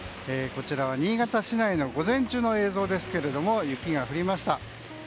こちらは新潟市内の午前中の様子ですが雪が降りました。